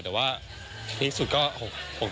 แต่ว่าที่สุดก็๖๒๖๑